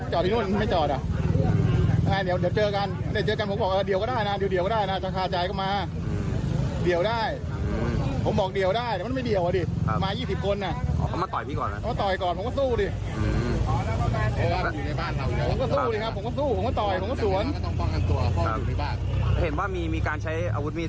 เห็นว่ามีการใช้อาวุธมีดแผ่งกันด้วยไหม